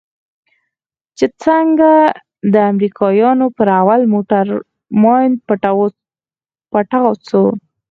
چې څنگه د امريکانو پر اول موټر ماين پټاو سو.